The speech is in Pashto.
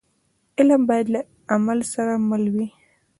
علم باید له عمل سره مل وي.